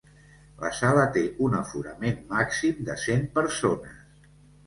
La sala té un aforament màxim de cent persones.